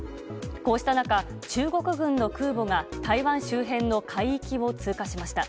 こうした中、中国軍の空母が台湾周辺の海域を通過しました。